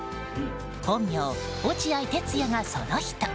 本名・落合哲也がその人。